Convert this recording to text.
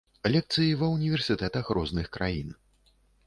Лекцыі ва ўніверсітэтах розных краін.